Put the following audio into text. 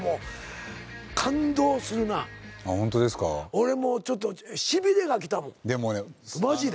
俺もうちょっとしびれがきたもんマジで。